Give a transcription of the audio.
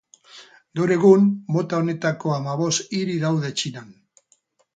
Gaur egun mota honetako hamabost hiri daude Txinan.